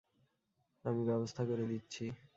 আমি ব্যবস্থা করে দিচ্ছি।